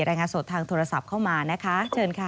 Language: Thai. รายงานสดทางโทรศัพท์เข้ามานะคะเชิญค่ะ